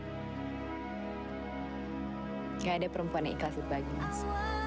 nggak ada perempuan yang ikhlas itu lagi mas